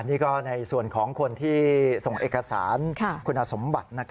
นี่ก็ในส่วนของคนที่ส่งเอกสารคุณสมบัติ